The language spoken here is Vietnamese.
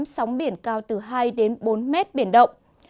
sóng biển cao từ hai đến bốn mét biển động